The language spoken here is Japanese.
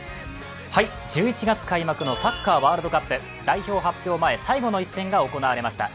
１１月開幕のサッカー・ワールドカップ代表発表前、最後の一戦が行われました。